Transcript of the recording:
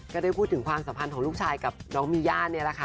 ก็ได้พูดถึงความสัมพันธ์ของลูกชายกับน้องมีย่านี่แหละค่ะ